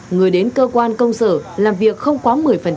người đến cơ quan công sở làm việc không quá một mươi